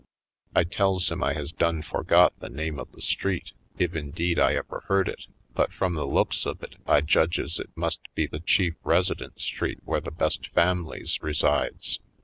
I tells him I has done forgot the name of the street, if indeed I ever heard it, but from the looks of it I judges it must be the chief resident street where the best families resides.